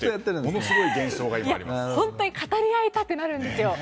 語り合いたくなるんですよ。